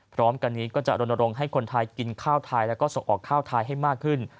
พร้อมกันนี้ก็จะรณรงค์ให้คนไทยกินข้าวไทยแล้วก็ส่งออกข้าวไทยให้มากขึ้น